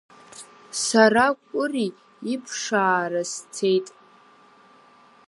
Сара Кәыри иԥшаара сцеит.